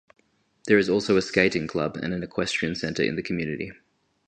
There is also a skating club and an equestrian centre in the community.